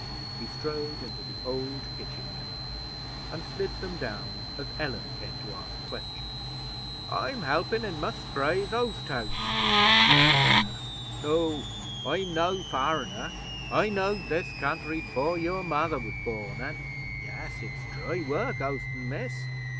He strode into the old kitchen yard, and slid them down as Ellen came to ask questions. 'I'm helping in Mus' Spray's oast house,' he said to her. 'No, I'm no foreigner. I knowed this country 'fore your mother was born; an' yes, it's dry work oastin', Miss.